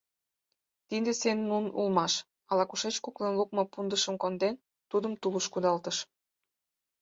Тиде Сеа-Нунн улмаш, ала-кушеч куклен лукмо пундышым конден, тудым тулыш кудалтыш.